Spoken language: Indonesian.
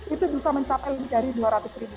itu bisa mencapai lebih dari dua ratus ribu